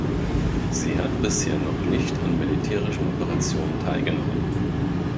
Sie hat bisher noch nicht an militärischen Operationen teilgenommen.